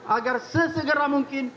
agar sesegera mungkin